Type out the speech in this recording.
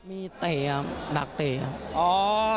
มีเตะครับดักเตะครับ